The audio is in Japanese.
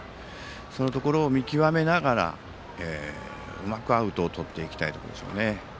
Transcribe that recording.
そこを見極めながらうまくアウトをとっていきたいところですね。